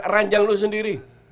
ranjang lu sendiri